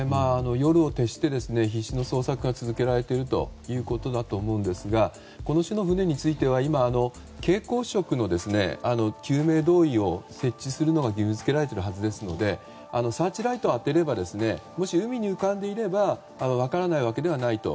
夜を徹して必死の捜索が続けられているということだと思うんですがこの種の船については今、蛍光色の救命胴衣を設置するのが義務付けられているはずですのでサーチライトを当てればもし、海に浮かんでいれば分からないわけではないと。